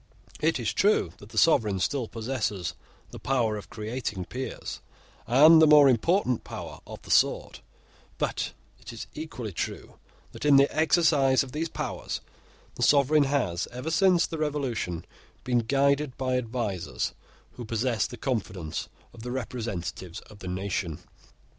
It is true that the sovereign still possesses the power of creating peers, and the more important power of the sword: but it is equally true that in the exercise of these powers the sovereign has, ever since the Revolution, been guided by advisers who possess the confidence of the representatives of the nation.